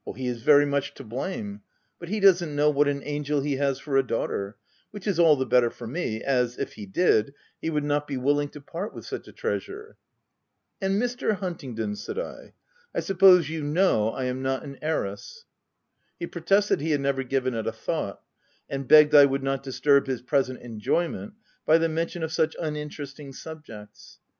7 " He is very much to blame— but he doesn't know what an angel he has for his daughter — which is all the better for me, as, if he did, he would not be willing to part with such a trea sure." u And Mr. Huntingdon/' said I. H I sup pose you know I am not an heiress V' He protested he had never given it a thought, and begged I would not disturb his present enjoyment by the mention of such uninteresting subjects.